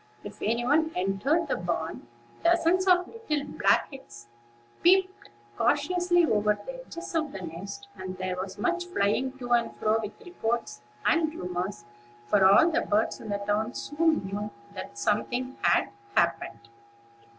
If any one entered the barn, dozens of little black heads peeped cautiously over the edges of the nests, and there was much flying to and fro with reports and rumors; for all the birds in the town soon knew that something had happened.